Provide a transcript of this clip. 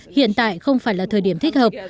hiện tại không phải là thời điểm thích hợp